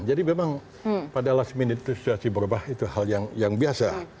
jadi memang pada last minute situasi berubah itu hal yang biasa